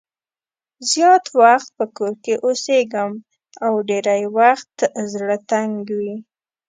زیات وخت په کور کې اوسېږم او ډېری وخت زړه تنګ وي.